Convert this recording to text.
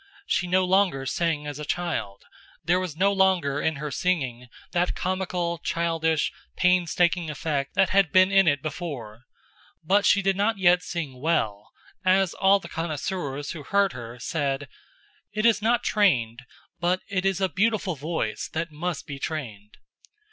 She no longer sang as a child, there was no longer in her singing that comical, childish, painstaking effect that had been in it before; but she did not yet sing well, as all the connoisseurs who heard her said: "It is not trained, but it is a beautiful voice that must be trained."